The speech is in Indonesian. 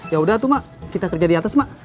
yaudah tuh mak kita kerja di atas mak